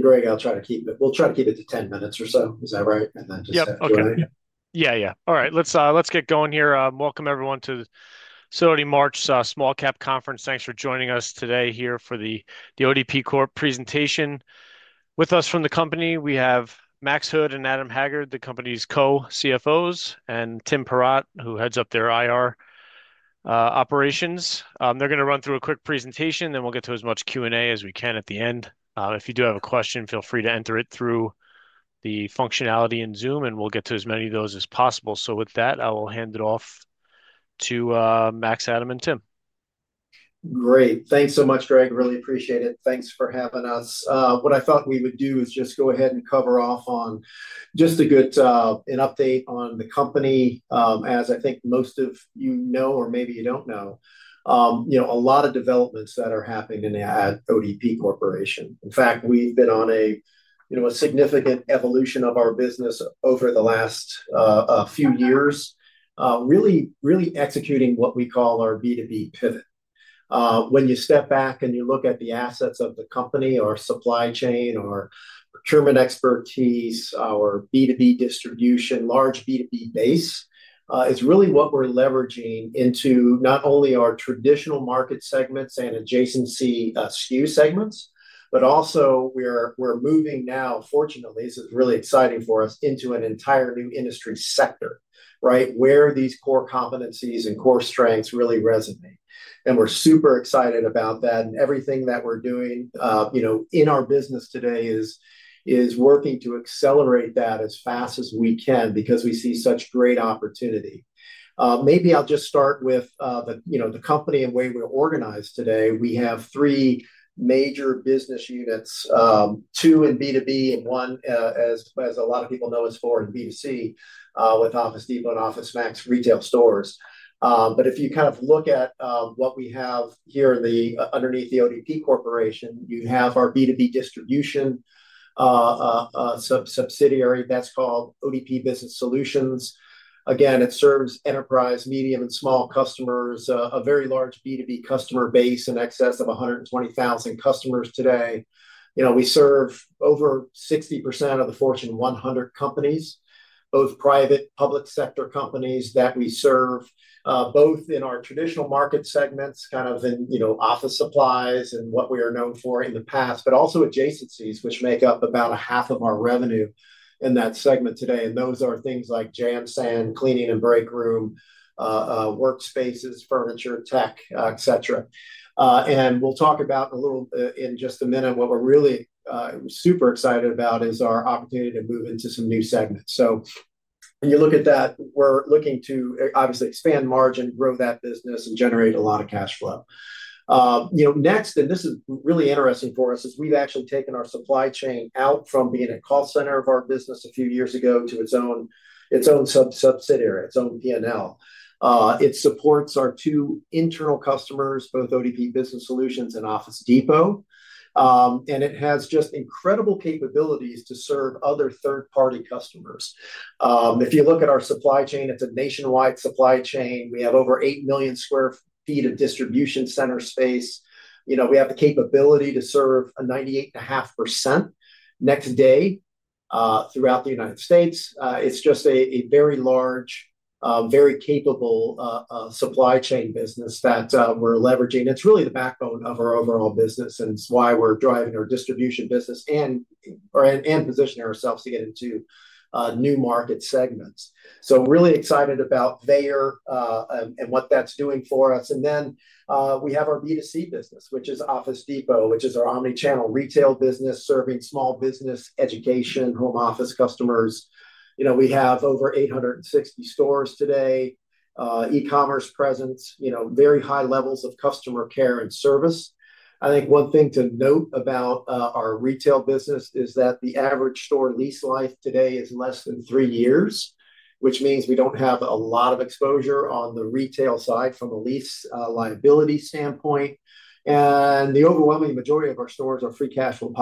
Greg, I'll try to keep it—we'll try to keep it to 10 minutes or so. Is that right? And then just. Yeah, okay. Yeah, yeah. All right. Let's get going here. Welcome, everyone, to Sidoti March Small Cap Conference. Thanks for joining us today here for The ODP Corporation presentation. With us from the company, we have Max Hood and Adam Haggard, the company's Co-CFOs, and Tim Perrott, who heads up their IR operations. They're going to run through a quick presentation, then we'll get to as much Q&A as we can at the end. If you do have a question, feel free to enter it through the functionality in Zoom, and we'll get to as many of those as possible. With that, I will hand it off to Max, Adam, and Tim. Great. Thanks so much, Greg. Really appreciate it. Thanks for having us. What I thought we would do is just go ahead and cover off on just an update on the company. As I think most of you know, or maybe you don't know, a lot of developments that are happening at ODP Corporation. In fact, we've been on a significant evolution of our business over the last few years, really executing what we call our B2B pivot. When you step back and you look at the assets of the company, our supply chain, our procurement expertise, our B2B distribution, large B2B base, is really what we're leveraging into not only our traditional market segments and adjacency SKU segments, but also we're moving now, fortunately, this is really exciting for us, into an entire new industry sector, right, where these core competencies and core strengths really resonate. We're super excited about that. Everything that we're doing in our business today is working to accelerate that as fast as we can because we see such great opportunity. Maybe I'll just start with the company and the way we're organized today. We have three major business units: two in B2B and one, as a lot of people know, is for in B2C with Office Depot and OfficeMax retail stores. If you kind of look at what we have here underneath The ODP Corporation, you have our B2B distribution subsidiary that's called ODP Business Solutions. Again, it serves enterprise, medium, and small customers, a very large B2B customer base in excess of 120,000 customers today. We serve over 60% of the Fortune 100 companies, both private and public sector companies that we serve, both in our traditional market segments, kind of in office supplies and what we are known for in the past, but also adjacencies, which make up about half of our revenue in that segment today. Those are things like Jan-San, cleaning and break room, workspaces, furniture, tech, etc. We will talk about a little in just a minute what we are really super excited about is our opportunity to move into some new segments. When you look at that, we are looking to obviously expand margin, grow that business, and generate a lot of cash flow. Next, and this is really interesting for us, is we have actually taken our supply chain out from being a core center of our business a few years ago to its own subsidiary, its own P&L. It supports our two internal customers, both ODP Business Solutions and Office Depot. It has just incredible capabilities to serve other third-party customers. If you look at our supply chain, it is a nationwide supply chain. We have over 8 million sq ft of distribution center space. We have the capability to serve 98.5% next day throughout the United States. It is just a very large, very capable supply chain business that we are leveraging. It is really the backbone of our overall business, and it is why we are driving our distribution business and positioning ourselves to get into new market segments. Really excited about VEYER and what that is doing for us. We have our B2C business, which is Office Depot, which is our omnichannel retail business serving small business, education, home office customers. We have over 860 stores today, e-commerce presence, very high levels of customer care and service. I think one thing to note about our retail business is that the average store lease life today is less than three years, which means we do not have a lot of exposure on the retail side from a lease liability standpoint. The overwhelming majority of our stores are free cash flow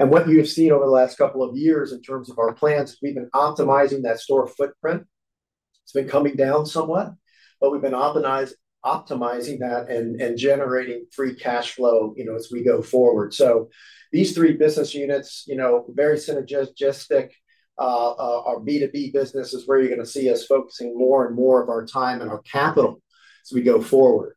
positives. What you have seen over the last couple of years in terms of our plans is we have been optimizing that store footprint. It has been coming down somewhat, but we have been optimizing that and generating free cash flow as we go forward. These three business units, very synergistic, our B2B business is where you are going to see us focusing more and more of our time and our capital as we go forward.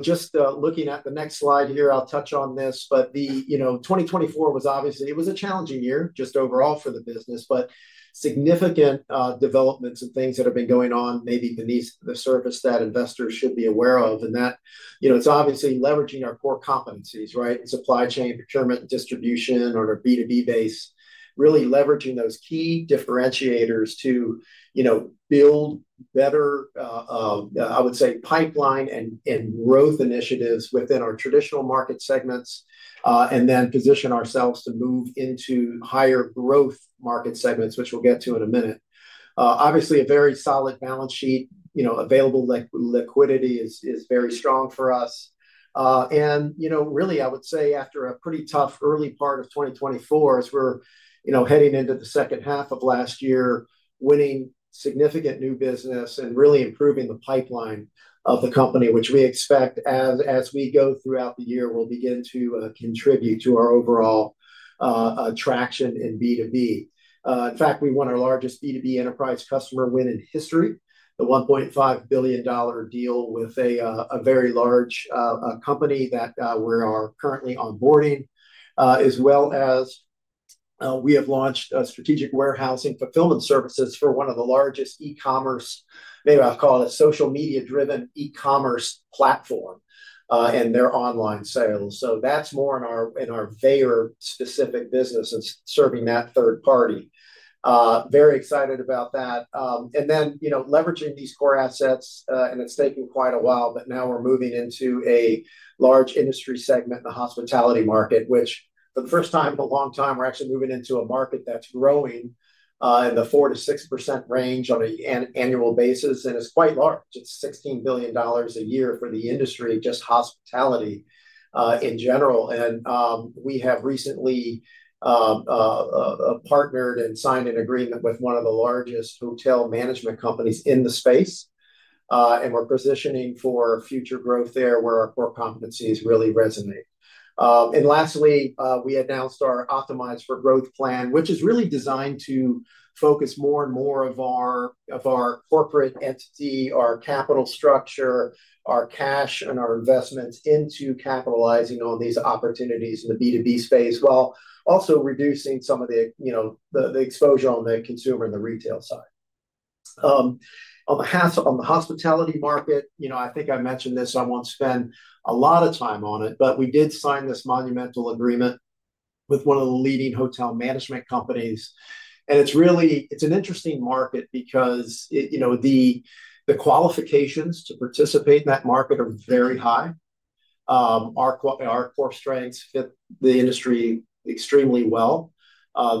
Just looking at the next slide here, I'll touch on this, but 2024 was obviously a challenging year just overall for the business, but significant developments and things that have been going on maybe beneath the surface that investors should be aware of. It is obviously leveraging our core competencies, right, in supply chain, procurement, distribution, or our B2B base, really leveraging those key differentiators to build better, I would say, pipeline and growth initiatives within our traditional market segments, and then position ourselves to move into higher growth market segments, which we'll get to in a minute. Obviously, a very solid balance sheet. Available liquidity is very strong for us. I would say after a pretty tough early part of 2024, as we're heading into the second half of last year, winning significant new business and really improving the pipeline of the company, which we expect as we go throughout the year, we'll begin to contribute to our overall traction in B2B. In fact, we won our largest B2B enterprise customer win in history, the $1.5 billion deal with a very large company that we are currently onboarding, as well as we have launched strategic warehousing fulfillment services for one of the largest e-commerce, maybe I'll call it a social media-driven e-commerce platform and their online sales. That is more in our VEYER specific business that's serving that third party. Very excited about that. Leveraging these core assets, and it's taken quite a while, but now we're moving into a large industry segment in the hospitality market, which for the first time in a long time, we're actually moving into a market that's growing in the 4%-6% range on an annual basis. It's quite large. It's $16 billion a year for the industry, just hospitality in general. We have recently partnered and signed an agreement with one of the largest hotel management companies in the space. We're positioning for future growth there where our core competencies really resonate. Lastly, we announced our Optimize for Growth plan, which is really designed to focus more and more of our corporate entity, our capital structure, our cash, and our investments into capitalizing on these opportunities in the B2B space while also reducing some of the exposure on the consumer and the retail side. On the hospitality market, I think I mentioned this. I will not spend a lot of time on it, but we did sign this monumental agreement with one of the leading hotel management companies. It is an interesting market because the qualifications to participate in that market are very high. Our core strengths fit the industry extremely well.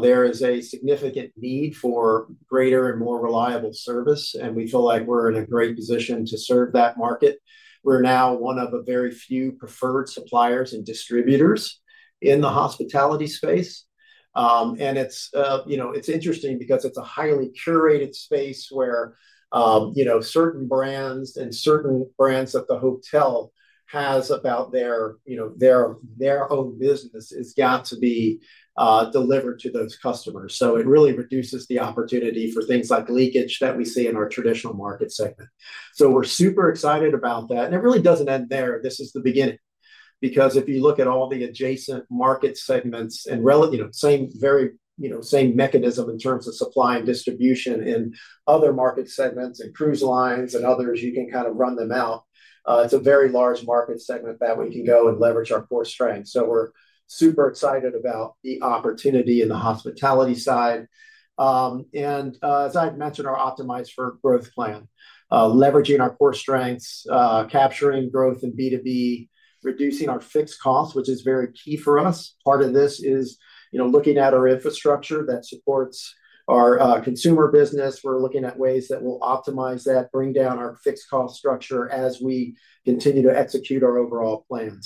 There is a significant need for greater and more reliable service, and we feel like we are in a great position to serve that market. We are now one of a very few preferred suppliers and distributors in the hospitality space. It's interesting because it's a highly curated space where certain brands and certain brands that the hotel has about their own business has got to be delivered to those customers. It really reduces the opportunity for things like leakage that we see in our traditional market segment. We're super excited about that. It really doesn't end there. This is the beginning. If you look at all the adjacent market segments and same mechanism in terms of supply and distribution in other market segments and cruise lines and others, you can kind of run them out. It's a very large market segment that we can go and leverage our core strengths. We're super excited about the opportunity in the hospitality side. As I've mentioned, our Optimize for Growth plan, leveraging our core strengths, capturing growth in B2B, reducing our fixed costs, which is very key for us. Part of this is looking at our infrastructure that supports our consumer business. We're looking at ways that will optimize that, bring down our fixed cost structure as we continue to execute our overall plan.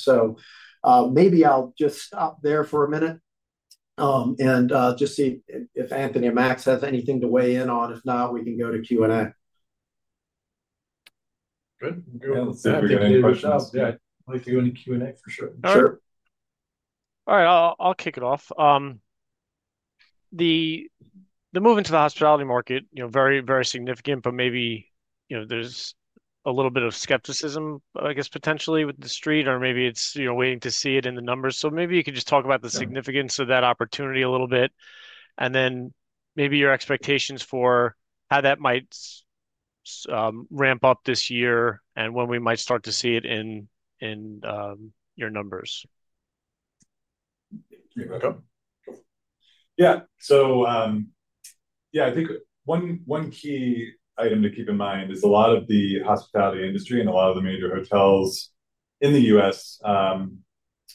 Maybe I'll just stop there for a minute and just see if Anthony and Max have anything to weigh in on. If not, we can go to Q&A. Good. Yeah. I'd like to go into Q&A for sure. Sure. All right. I'll kick it off. The movement to the hospitality market, very, very significant, but maybe there's a little bit of skepticism, I guess, potentially with the Street, or maybe it's waiting to see it in the numbers. Maybe you could just talk about the significance of that opportunity a little bit, and then maybe your expectations for how that might ramp up this year and when we might start to see it in your numbers. Yeah. Yeah, I think one key item to keep in mind is a lot of the hospitality industry and a lot of the major hotels in the U.S.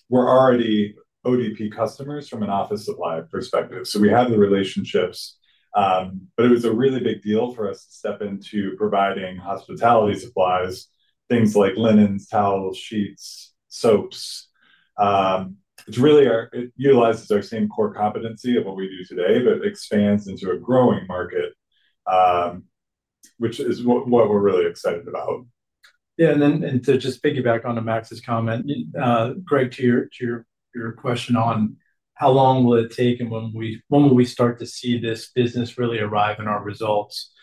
were already ODP customers from an office supply perspective. We have the relationships, but it was a really big deal for us to step into providing hospitality supplies, things like linens, towels, sheets, soaps. It utilizes our same core competency of what we do today, but expands into a growing market, which is what we're really excited about. Yeah. To just piggyback onto Max's comment, Greg, to your question on how long will it take and when will we start to see this business really arrive in our results.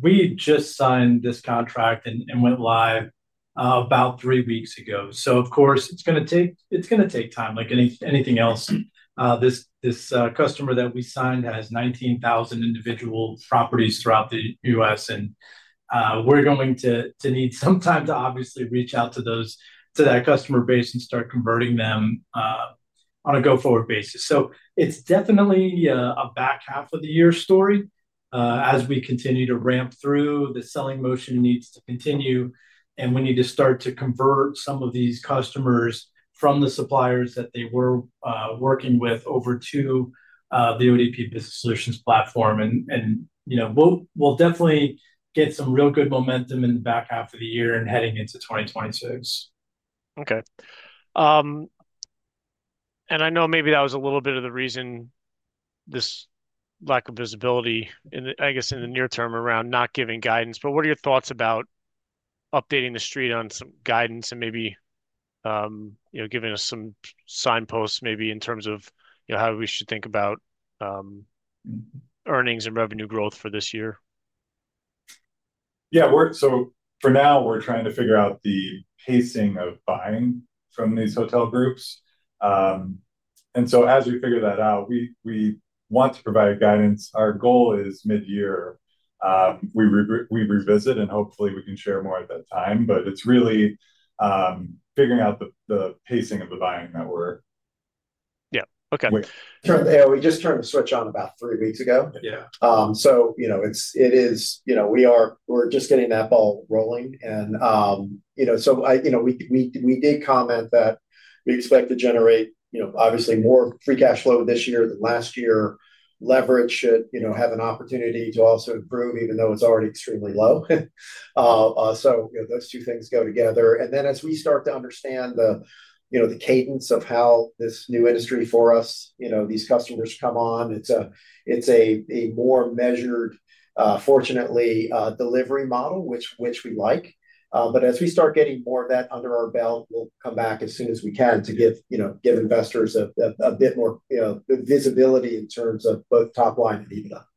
We just signed this contract and went live about three weeks ago. Of course, it's going to take time. Like anything else, this customer that we signed has 19,000 individual properties throughout the U.S. We are going to need some time to obviously reach out to that customer base and start converting them on a go-forward basis. It is definitely a back half of the year story as we continue to ramp through. The selling motion needs to continue. We need to start to convert some of these customers from the suppliers that they were working with over to the ODP Business Solutions platform. We'll definitely get some real good momentum in the back half of the year and heading into 2026. Okay. I know maybe that was a little bit of the reason, this lack of visibility, I guess, in the near term around not giving guidance. What are your thoughts about updating the street on some guidance and maybe giving us some signposts, maybe in terms of how we should think about earnings and revenue growth for this year? Yeah. For now, we're trying to figure out the pacing of buying from these hotel groups. As we figure that out, we want to provide guidance. Our goal is mid-year. We revisit, and hopefully, we can share more at that time. It's really figuring out the pacing of the buying that we're. Yeah. Okay. We just turned the switch on about three weeks ago. It is we're just getting that ball rolling. We did comment that we expect to generate, obviously, more free cash flow this year than last year. Leverage should have an opportunity to also improve, even though it's already extremely low. Those two things go together. As we start to understand the cadence of how this new industry for us, these customers come on, it's a more measured, fortunately, delivery model, which we like. As we start getting more of that under our belt, we'll come back as soon as we can to give investors a bit more visibility in terms of both top line and even up.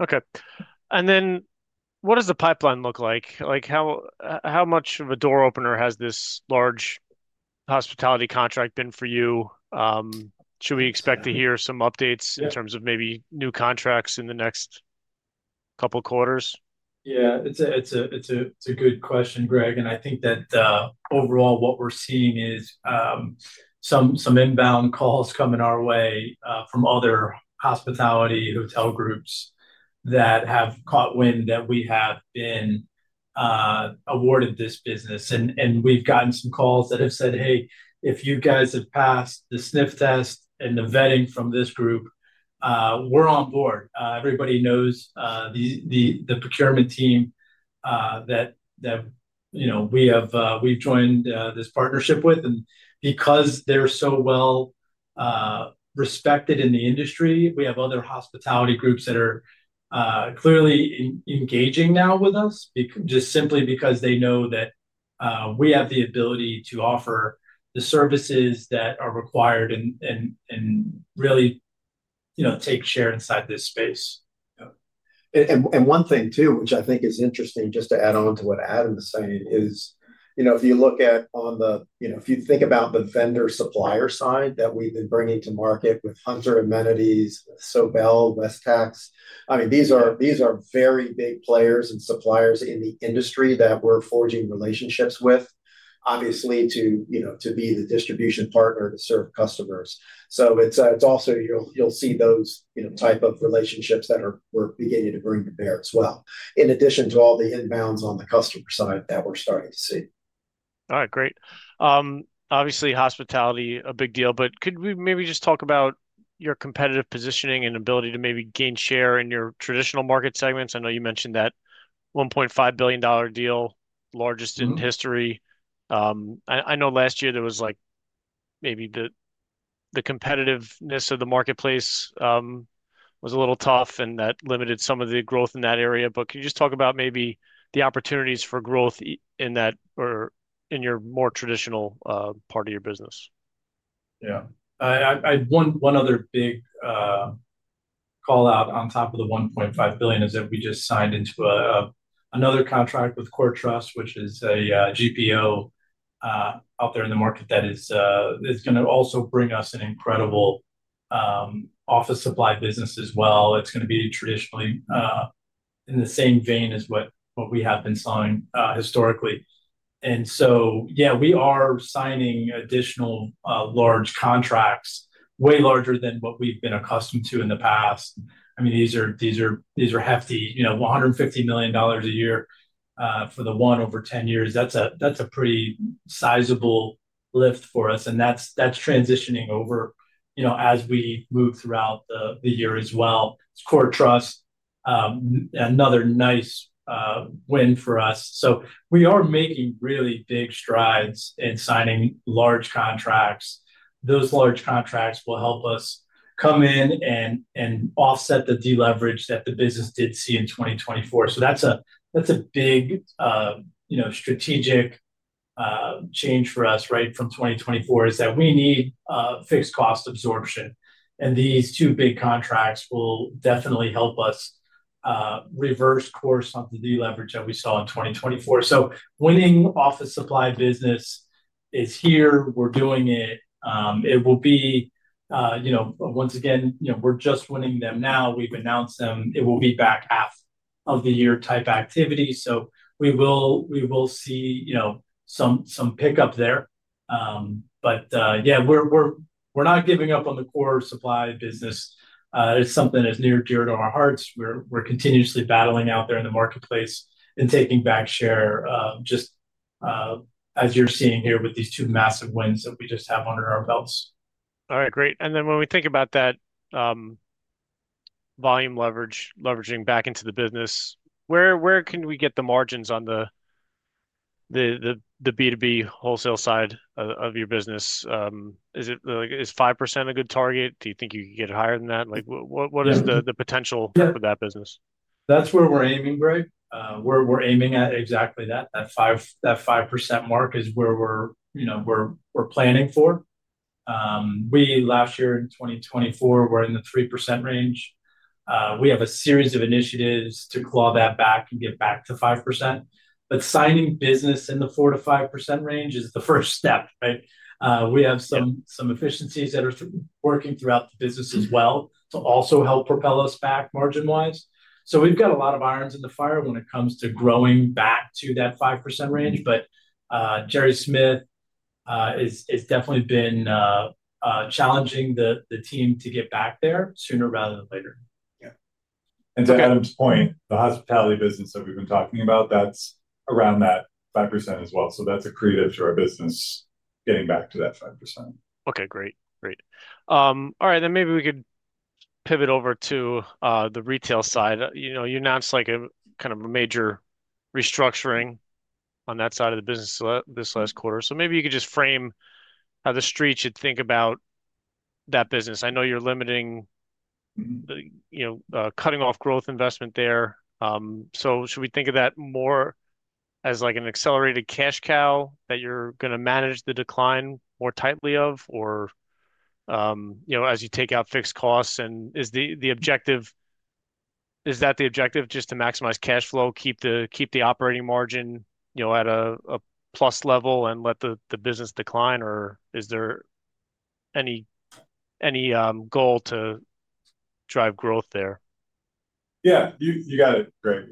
Okay. What does the pipeline look like? How much of a door opener has this large hospitality contract been for you? Should we expect to hear some updates in terms of maybe new contracts in the next couple of quarters? Yeah. It's a good question, Greg. I think that overall, what we're seeing is some inbound calls coming our way from other hospitality hotel groups that have caught wind that we have been awarded this business. We've gotten some calls that have said, "Hey, if you guys have passed the sniff test and the vetting from this group, we're on board." Everybody knows the procurement team that we've joined this partnership with. Because they're so well respected in the industry, we have other hospitality groups that are clearly engaging now with us just simply because they know that we have the ability to offer the services that are required and really take share inside this space. One thing too, which I think is interesting, just to add on to what Adam is saying, is if you look at, if you think about the vendor supplier side that we've been bringing to market with Hunter Amenities, Sobel Westex, I mean, these are very big players and suppliers in the industry that we're forging relationships with, obviously, to be the distribution partner to serve customers. You'll see those type of relationships that we're beginning to bring to bear as well, in addition to all the inbounds on the customer side that we're starting to see. All right. Great. Obviously, hospitality, a big deal. Could we maybe just talk about your competitive positioning and ability to maybe gain share in your traditional market segments? I know you mentioned that $1.5 billion deal, largest in history. I know last year there was maybe the competitiveness of the marketplace was a little tough, and that limited some of the growth in that area. Can you just talk about maybe the opportunities for growth in your more traditional part of your business? Yeah. One other big call out on top of the $1.5 billion is that we just signed into another contract with CoreTrust, which is a GPO out there in the market that is going to also bring us an incredible office supply business as well. It's going to be traditionally in the same vein as what we have been selling historically. Yeah, we are signing additional large contracts, way larger than what we've been accustomed to in the past. I mean, these are hefty. $150 million a year for the one over 10 years. That's a pretty sizable lift for us. That's transitioning over as we move throughout the year as well. It's CoreTrust, another nice win for us. We are making really big strides in signing large contracts. Those large contracts will help us come in and offset the deleverage that the business did see in 2024. That is a big strategic change for us, right, from 2024, is that we need fixed cost absorption. These two big contracts will definitely help us reverse course on the deleverage that we saw in 2024. Winning office supply business is here. We're doing it. It will be, once again, we're just winning them now. We've announced them. It will be back half of the year type activity. We will see some pickup there. We're not giving up on the core supply business. It's something that's near and dear to our hearts. We're continuously battling out there in the marketplace and taking back share, just as you're seeing here with these two massive wins that we just have under our belts. All right. Great. When we think about that volume leveraging back into the business, where can we get the margins on the B2B wholesale side of your business? Is 5% a good target? Do you think you could get higher than that? What is the potential for that business? That's where we're aiming, Greg. We're aiming at exactly that. That 5% mark is where we're planning for. Last year, in 2024, we were in the 3% range. We have a series of initiatives to claw that back and get back to 5%. Signing business in the 4%-5% range is the first step, right? We have some efficiencies that are working throughout the business as well to also help propel us back margin-wise. We've got a lot of irons in the fire when it comes to growing back to that 5% range. Gerry Smith is definitely been challenging the team to get back there sooner rather than later. Yeah. To Adam's point, the hospitality business that we've been talking about, that's around that 5% as well. That's accretive to our business getting back to that 5%. Okay. Great. Great. All right. Maybe we could pivot over to the retail side. You announced kind of a major restructuring on that side of the business this last quarter. Maybe you could just frame how the street should think about that business. I know you're limiting, cutting off growth investment there. Should we think of that more as an accelerated cash cow that you're going to manage the decline more tightly of, or as you take out fixed costs? Is that the objective, just to maximize cash flow, keep the operating margin at a plus level and let the business decline, or is there any goal to drive growth there? Yeah. You got it, Greg.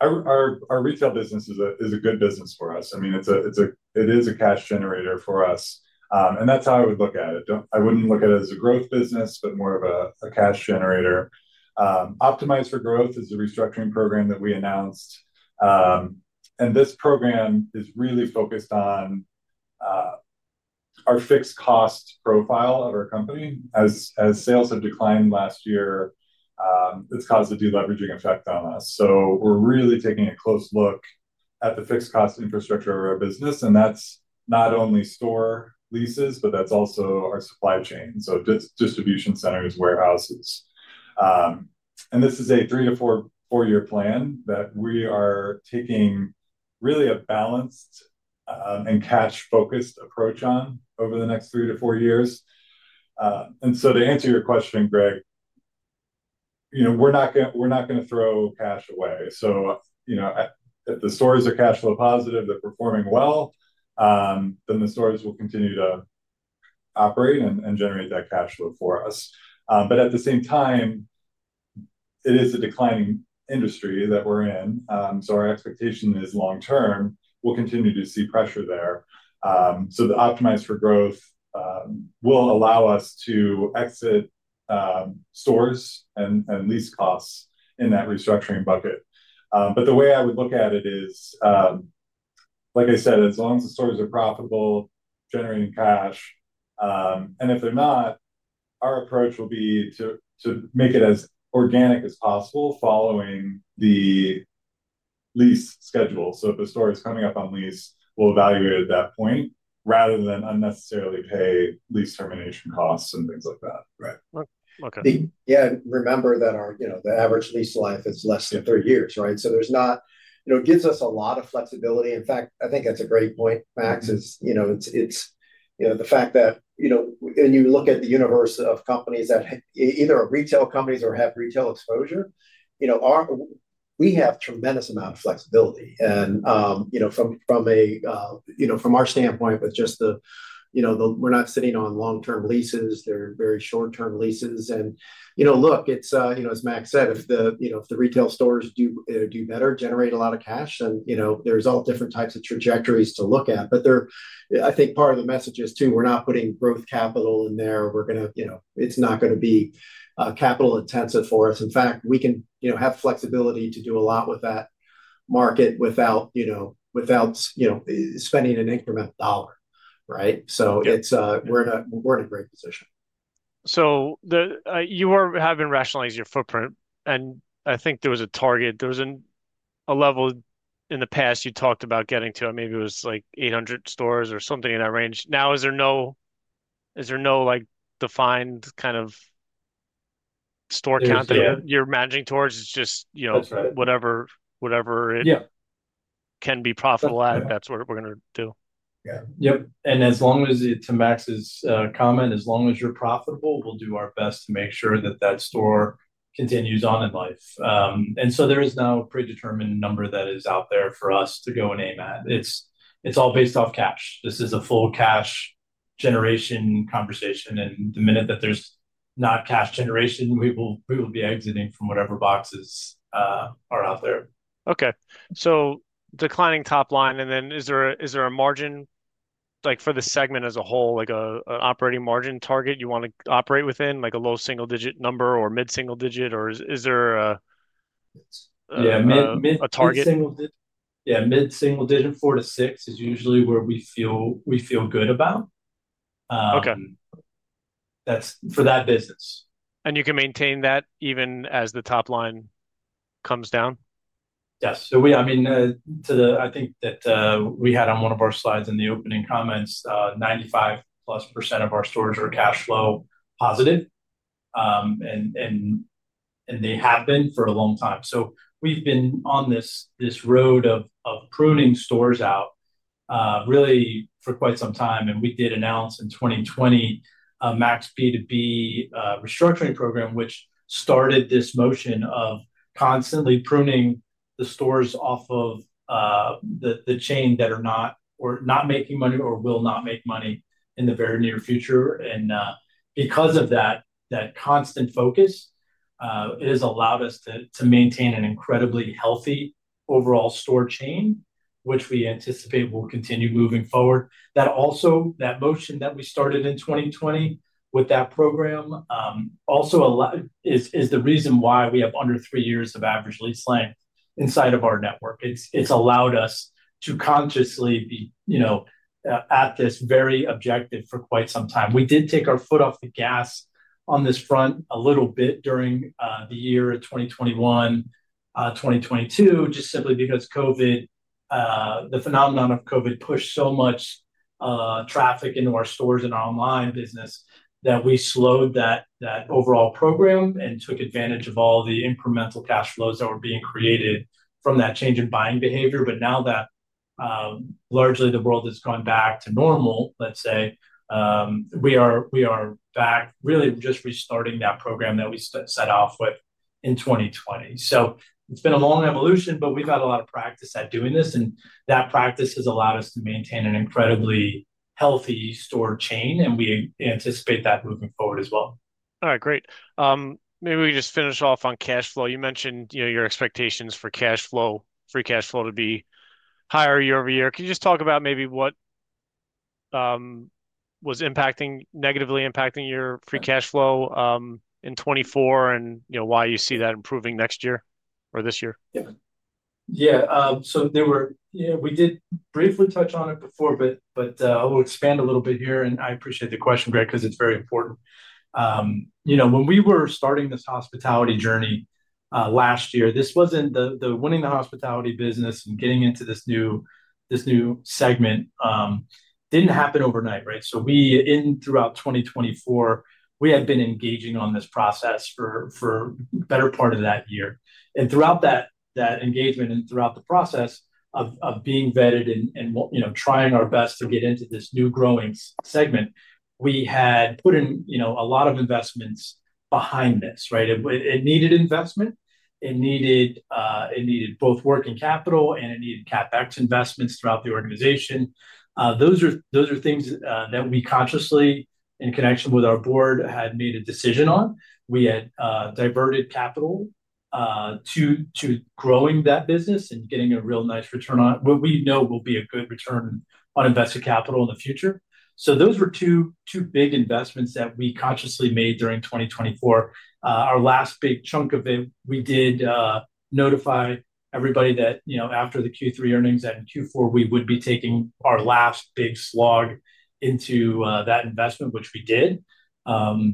Our retail business is a good business for us. I mean, it is a cash generator for us. That's how I would look at it. I wouldn't look at it as a growth business, but more of a cash generator. Optimize for Growth is a restructuring program that we announced. This program is really focused on our fixed cost profile of our company. As sales have declined last year, it has caused a deleveraging effect on us. We are really taking a close look at the fixed cost infrastructure of our business. That is not only store leases, but also our supply chain, so distribution centers, warehouses. This is a three to four-year plan that we are taking really a balanced and cash-focused approach on over the next three to four years. To answer your question, Greg, we're not going to throw cash away. If the stores are cash flow positive, they're performing well, then the stores will continue to operate and generate that cash flow for us. At the same time, it is a declining industry that we're in. Our expectation is long-term, we'll continue to see pressure there. The Optimize for Growth will allow us to exit stores and lease costs in that restructuring bucket. The way I would look at it is, like I said, as long as the stores are profitable, generating cash. If they're not, our approach will be to make it as organic as possible following the lease schedule. If a store is coming up on lease, we'll evaluate at that point rather than unnecessarily pay lease termination costs and things like that. Right. Okay. Yeah. Remember that the average lease life is less than three years, right? It gives us a lot of flexibility. In fact, I think that's a great point, Max, is the fact that when you look at the universe of companies that are either retail companies or have retail exposure, we have a tremendous amount of flexibility. From our standpoint, we're not sitting on long-term leases. They're very short-term leases. Look, as Max said, if the retail stores do better, generate a lot of cash, then there's all different types of trajectories to look at. I think part of the message is, too, we're not putting growth capital in there. It's not going to be capital-intensive for us. In fact, we can have flexibility to do a lot with that market without spending an incremental dollar, right? We're in a great position. You are having rationalized your footprint. I think there was a target. There was a level in the past you talked about getting to. Maybe it was like 800 stores or something in that range. Now, is there no defined kind of store count that you're managing towards? It's just whatever it can be profitable at, that's what we're going to do. Yeah. Yep. As long as it's to Max's comment, as long as you're profitable, we'll do our best to make sure that that store continues on in life. There is no predetermined number that is out there for us to go and aim at. It's all based off cash. This is a full cash generation conversation. The minute that there's not cash generation, we will be exiting from whatever boxes are out there. Okay. Declining top line. And then is there a margin for the segment as a whole, like an operating margin target you want to operate within, like a low single-digit number or mid-single digit? Or is there a target? Yeah. Mid-single digit 4%-6% is usually where we feel good about for that business. You can maintain that even as the top line comes down? Yes. I mean, I think that we had on one of our slides in the opening comments, 95+% of our stores are cash flow positive. They have been for a long time. We have been on this road of pruning stores out really for quite some time. We did announce in 2020 a Max B2B restructuring program, which started this motion of constantly pruning the stores off of the chain that are not making money or will not make money in the very near future. Because of that constant focus, it has allowed us to maintain an incredibly healthy overall store chain, which we anticipate will continue moving forward. That motion that we started in 2020 with that program also is the reason why we have under three years of average lease length inside of our network. It's allowed us to consciously be at this very objective for quite some time. We did take our foot off the gas on this front a little bit during the year 2021, 2022, just simply because the phenomenon of COVID pushed so much traffic into our stores and our online business that we slowed that overall program and took advantage of all the incremental cash flows that were being created from that change in buying behavior. Now that largely the world has gone back to normal, let's say, we are back really just restarting that program that we set off with in 2020. It's been a long evolution, but we've had a lot of practice at doing this. That practice has allowed us to maintain an incredibly healthy store chain. We anticipate that moving forward as well. All right. Great. Maybe we just finish off on cash flow. You mentioned your expectations for free cash flow to be higher year-over-year. Can you just talk about maybe what was negatively impacting your free cash flow in 2024 and why you see that improving next year or this year? Yeah. Yeah. We did briefly touch on it before, but I will expand a little bit here. I appreciate the question, Greg, because it's very important. When we were starting this hospitality journey last year, winning the hospitality business and getting into this new segment did not happen overnight, right? Throughout 2024, we had been engaging on this process for the better part of that year. Throughout that engagement and throughout the process of being vetted and trying our best to get into this new growing segment, we had put in a lot of investments behind this, right? It needed investment. It needed both working capital, and it needed CapEx investments throughout the organization. Those are things that we consciously, in connection with our board, had made a decision on. We had diverted capital to growing that business and getting a real nice return on what we know will be a good return on invested capital in the future. Those were two big investments that we consciously made during 2024. Our last big chunk of it, we did notify everybody that after the Q3 earnings and Q4, we would be taking our last big slog into that investment, which we did.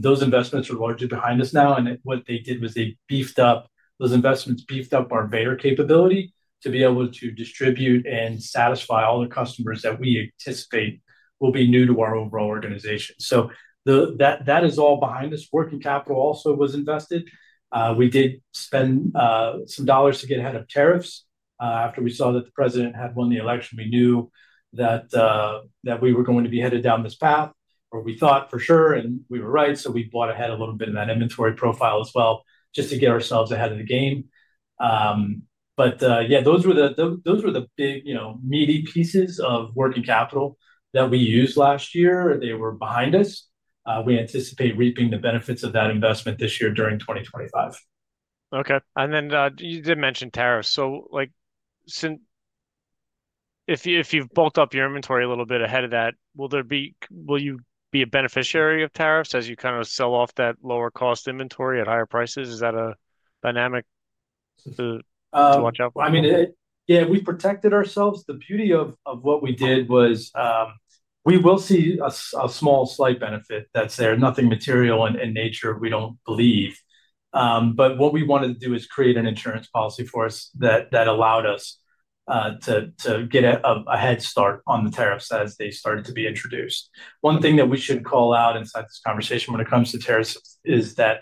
Those investments are largely behind us now. What they did was they beefed up those investments, beefed up our VEYER capability to be able to distribute and satisfy all the customers that we anticipate will be new to our overall organization. That is all behind us. Working capital also was invested. We did spend some dollars to get ahead of tariffs. After we saw that the president had won the election, we knew that we were going to be headed down this path, or we thought for sure, and we were right. We bought ahead a little bit of that inventory profile as well just to get ourselves ahead of the game. Yeah, those were the big meaty pieces of working capital that we used last year. They were behind us. We anticipate reaping the benefits of that investment this year during 2025. Okay. You did mention tariffs. If you've built up your inventory a little bit ahead of that, will you be a beneficiary of tariffs as you kind of sell off that lower-cost inventory at higher prices? Is that a dynamic to watch out for? I mean, yeah, we've protected ourselves. The beauty of what we did was we will see a small slight benefit that's there. Nothing material in nature, we don't believe. What we wanted to do is create an insurance policy for us that allowed us to get a head start on the tariffs as they started to be introduced. One thing that we should call out inside this conversation when it comes to tariffs is that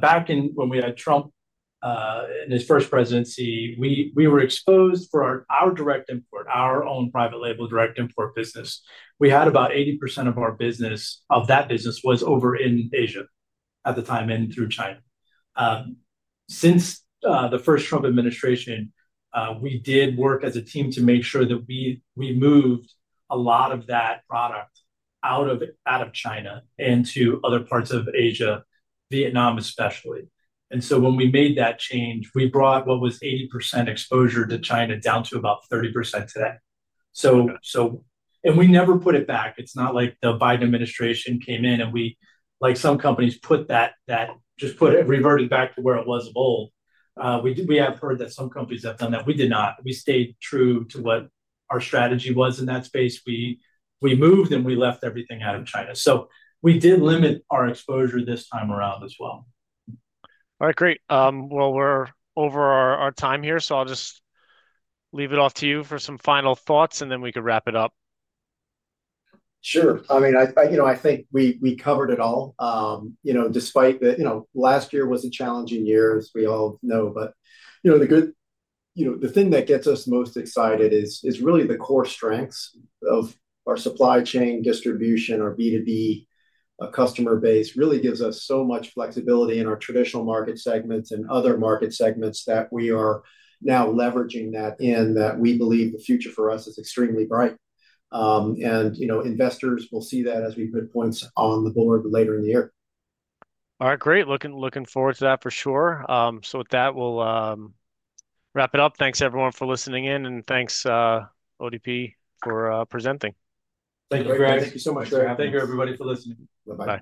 back when we had Trump in his first presidency, we were exposed for our direct import, our own private label direct import business. We had about 80% of that business was over in Asia at the time and through China. Since the first Trump administration, we did work as a team to make sure that we moved a lot of that product out of China into other parts of Asia, Vietnam especially. When we made that change, we brought what was 80% exposure to China down to about 30% today. We never put it back. It is not like the Biden administration came in and we, like some companies, just reverted back to where it was of old. We have heard that some companies have done that. We did not. We stayed true to what our strategy was in that space. We moved and we left everything out of China. We did limit our exposure this time around as well. All right. Great. We're over our time here. I'll just leave it off to you for some final thoughts, and then we could wrap it up. Sure. I mean, I think we covered it all. Last year was a challenging year, as we all know. The thing that gets us most excited is really the core strengths of our supply chain distribution, our B2B customer base really gives us so much flexibility in our traditional market segments and other market segments that we are now leveraging. We believe the future for us is extremely bright. Investors will see that as we put points on the board later in the year. All right. Great. Looking forward to that for sure. With that, we'll wrap it up. Thanks, everyone, for listening in. Thanks, ODP, for presenting. Thank you, Greg. Thank you so much, Greg. Thank you, everybody, for listening. Bye-bye.